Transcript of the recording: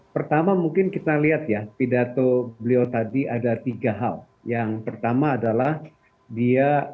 pertama mungkin kita lihat ya pidato beliau tadi ada tiga hal yang pertama adalah dia